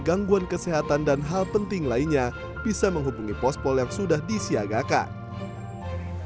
gangguan kesehatan dan hal penting lainnya bisa menghubungi pospol yang sudah disiagakan